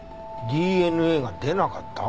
ＤＮＡが出なかった？